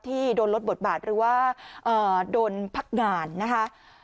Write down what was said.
ที่โดนลดบทบาทหรือว่าโดนพักงานนะคะ